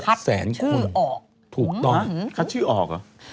คัดชื่อออกถูกต้องคัดชื่อออกเหรอ